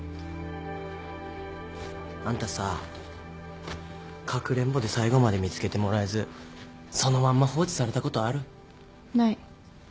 あんたさかくれんぼで最後まで見つけてもらえずそのまんま放置されたことある？